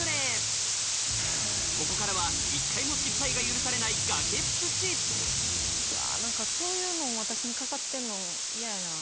ここからは１回も失敗が許されない崖っぷちうわ何かそういうのん私にかかってんのん嫌やな。